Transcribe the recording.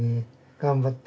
頑張って。